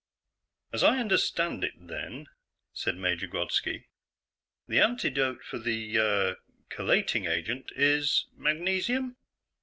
"As I understand it, then," said Major Grodski, "the antidote for the ... uh ... chelating agent is magnesium?"